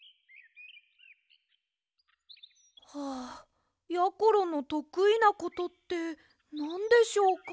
はあやころのとくいなことってなんでしょうか？